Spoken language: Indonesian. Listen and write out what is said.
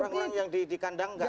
orang orang yang dikandangkan